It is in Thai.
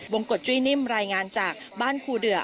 กฎจุ้ยนิ่มรายงานจากบ้านครูเดือ